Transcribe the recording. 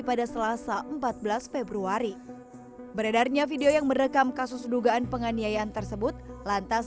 pada selasa empat belas februari beredarnya video yang merekam kasus dugaan penganiayaan tersebut lantas